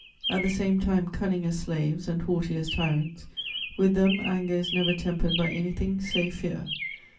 At the same time cunning as slaves and haughty as tyrants, with them anger is never tempered by anything save fear.